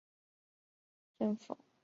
镇政府驻地在筱埕村。